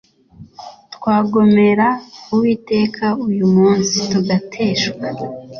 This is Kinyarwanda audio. twagomera Uwiteka uyu munsi tugateshuka